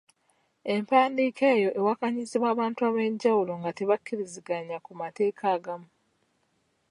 Empandiika eyo ewakanyizibwa abantu ab’enjawulo nga tebakkiriziganya ku mateeka agamu